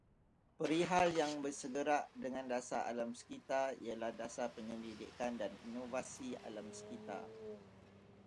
Perihal yang bersegerak dengan dasar alam sekitar ialah dasar penyelidikan dan inovasi alam sekitar